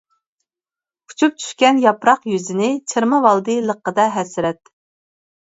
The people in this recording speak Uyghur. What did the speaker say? ئۇچۇپ چۈشكەن ياپراق يۈزىنى، چىرمىۋالدى لىققىدە ھەسرەت.